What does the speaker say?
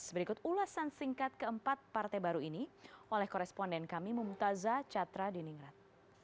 berikut ulasan singkat keempat partai baru ini oleh koresponden kami mumutaza catra diningrat